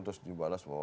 terus dibalas bahwa